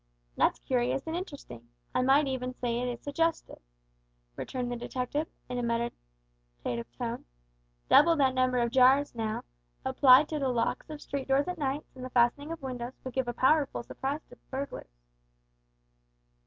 "That's curious and interesting; I may even say it is suggestive," returned the detective, in a meditative tone. "Double that number of jars, now, applied to the locks of street doors at night and the fastenings of windows would give a powerful surprise to burglars."